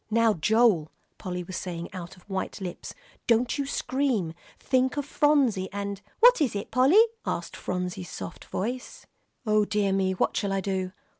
"Now, Joel," Polly was saying out of white lips, "don't you scream. Think of Phronsie, and " "What is it, Polly?" asked Phronsie's soft voice. "O dear me! What shall I do!"